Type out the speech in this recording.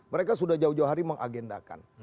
mereka sudah jauh jauh hari mengagendakan